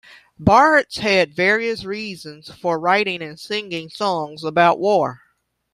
Bards had various reasons for writing and singing songs about war.